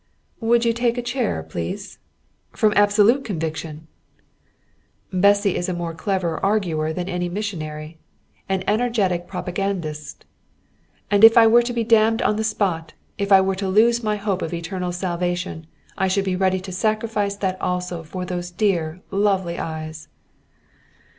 "Would you take a chair, please?" "From absolute conviction." "Bessy is a more clever arguer than any missionary; an energetic propagandist." "And if I were to be damned on the spot, if I were to lose my hope of eternal salvation, I should be ready to sacrifice that also for those dear, lovely eyes."